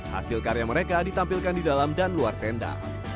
hasil karya mereka ditampilkan di dalam dan luar tenda